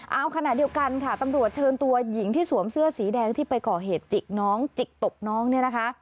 เอาขณะเดียวกันค่ะตำรวจเชิญตัวหญิงที่สวมเสื้อสีแดงที่ไปก่อเหตุจิกน้องจิกตบน้องเนี่ยนะคะ